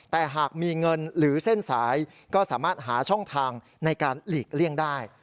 แต่หากมีเงินหรือเส้นสายก็สามารถหาช่องทางในการหลีกเลี่ยงได้